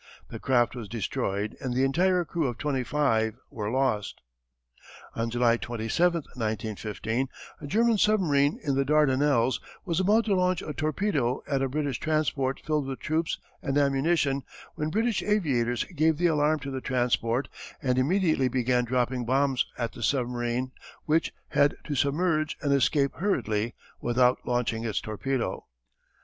The craft was destroyed and the entire crew of twenty five were lost. "On July 27, 1915, a German submarine in the Dardanelles was about to launch a torpedo at a British transport filled with troops and ammunition, when British aviators gave the alarm to the transport, and immediately began dropping bombs at the submarine, which had to submerge and escape hurriedly, without launching its torpedo.